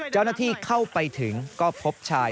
เจ้าหน้าที่เข้าไปถึงก็พบชาย